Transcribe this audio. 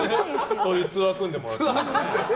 そういうツアー組んでもらって。